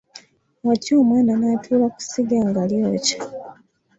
Watya omwana n’atuula ku sigga nga ly’okya?